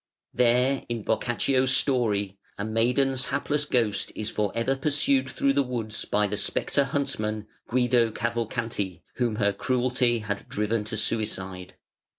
There, in Boccaccio's story, a maiden's hapless ghost is for ever pursued through the woods by "the spectre huntsman", Guido Cavalcanti, whom her cruelty had driven to suicide.